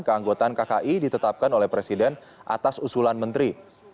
keanggotaan kki ditetapkan oleh presiden atas usulan menteri